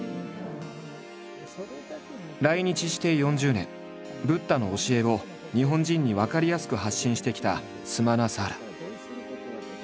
来日して４０年ブッダの教えを日本人に分かりやすく発信してきたスマナサーラ。